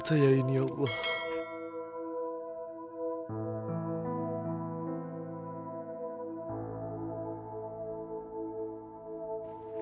terima kasih tuhan